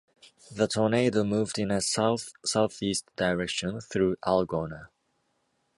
The tornado moved in a south-southeast direction through Algona.